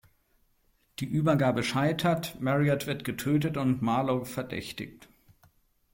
Die Übergabe scheitert, Marriott wird getötet und Marlowe verdächtigt.